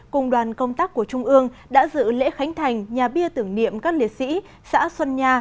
cùng đoàn công tác của trung ương đã dự lễ khánh thành nhà bia tưởng niệm các liệt sĩ xã xuân nha